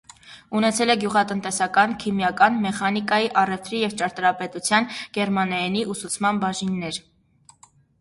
Ունեցել է գյուղատնտեսագիտական, քիմիական, մեխանիկայի, առևտրի և ճարտարապետության, գերմաներենի ուսուցման բաժիններ։